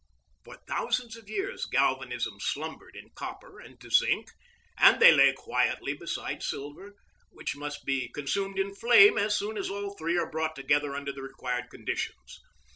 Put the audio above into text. For thousands of years galvanism slumbered in copper and zinc, and they lay quietly beside silver, which must be consumed in flame as soon as all three are brought together under the required conditions.